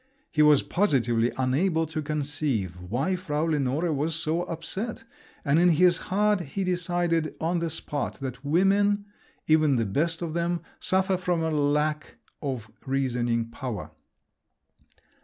He was positively unable to conceive why Frau Lenore was so upset, and in his heart he decided on the spot that women, even the best of them, suffer from a lack of reasoning power!